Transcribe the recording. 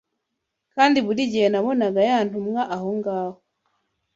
kandi buri gihe nabonaga ya ntumwa aho ngaho